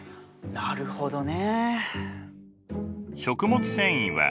なるほどね。